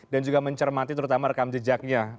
dan juga mencermati terutama rekam jejaknya